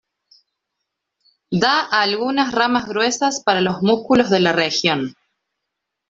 Da algunas ramas gruesas para los músculos de la región.